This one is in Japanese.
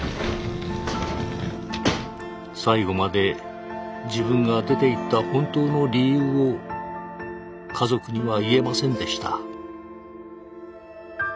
最後まで自分が出ていった本当の理由を家族には言えませんでした。